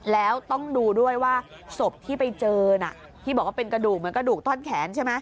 แล้วต้องดูด้วยว่าศพที่ไปเจอน่ะที่บอกว่าเป็นกระดูกเหมือนกระดูกต้อนแขนใช่ไหม